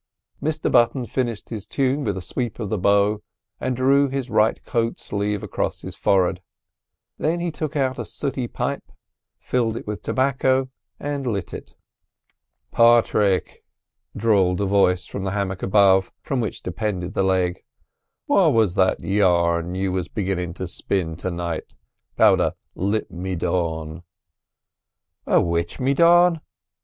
Mr Button finished his tune with a sweep of the bow, and drew his right coat sleeve across his forehead. Then he took out a sooty pipe, filled it with tobacco, and lit it. "Pawthrick," drawled a voice from the hammock above, from which depended the leg, "what was that yarn you wiz beginnin' to spin ter night 'bout a lip me dawn?" "A which me dawn?"